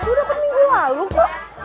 itu udah minggu lalu kok